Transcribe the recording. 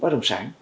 ở đồng sản